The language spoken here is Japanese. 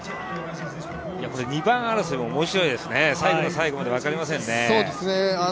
２番争いも面白いですね、最後の最後まで面白いです。